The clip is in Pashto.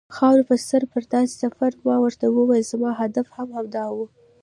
خاورې په سر پر داسې سفر، ما ورته وویل: زما هدف هم همدا و.